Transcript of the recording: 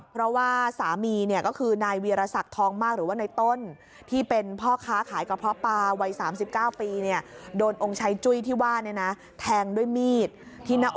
เพราะว่าสามีก็คือนายเวียรศักดิ์ทองมากหรือว่านายต้น